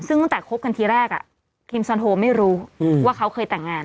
ซึ่งตั้งแต่คบกันทีแรกคิมซอนโฮไม่รู้ว่าเขาเคยแต่งงาน